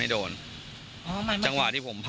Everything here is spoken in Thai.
มันต้องการมาหาเรื่องมันจะมาแทงนะ